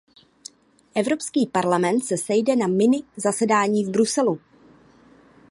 Evropský parlament se sejde na mini zasedání v Bruselu.